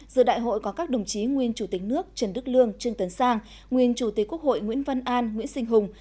giữa đại hội có các đồng chí nguyên chủ tịch nước trần đức lương trương tấn sang nguyên chủ tịch quốc hội nguyễn văn an nguyễn sinh hùng